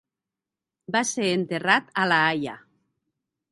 Va ser enterrat a La Haia.